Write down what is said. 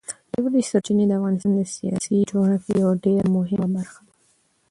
ژورې سرچینې د افغانستان د سیاسي جغرافیې یوه ډېره مهمه برخه ده.